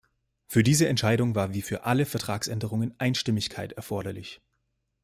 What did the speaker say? Für diese Entscheidung war wie für alle Vertragsänderungen Einstimmigkeit erforderlich.